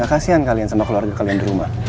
gak kasihan kalian sama keluarga kalian di rumah